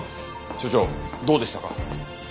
所長どうでしたか？